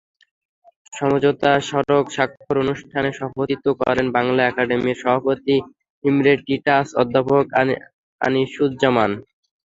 সমঝোতা স্মারক স্বাক্ষর অনুষ্ঠানে সভাপতিত্ব করেন বাংলা একাডেমির সভাপতি ইমেরিটাস অধ্যাপক আনিসুজ্জামান।